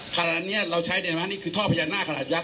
ขณะนี้เราใช้เดินมานี่คือท่อพญานาคขนาดยักษ